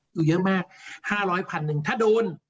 อยู่เยอะมาก๕๐๐๐๐๐ถ้าโดน